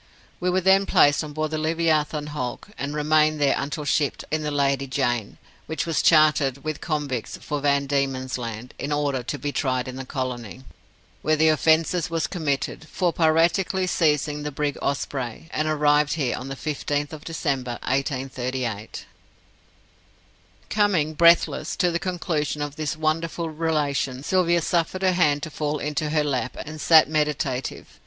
We were then placed on board the Leviathan hulk, and remained there until shipped in the Lady Jane, which was chartered, with convicts, for Van Diemen's Land, in order to be tried in the colony, where the offence was committed, for piratically seizing the brig Osprey, and arrived here on the 15th December, 1838." Coming, breathless, to the conclusion of this wonderful relation, Sylvia suffered her hand to fall into her lap, and sat meditative.